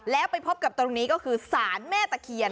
แล้วไปพบกับตรงนี้ก็คือสารแม่ตะเคียน